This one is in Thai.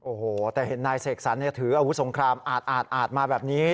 โอ้โหแต่เห็นนายเสกสรรถืออาวุธสงครามอาดมาแบบนี้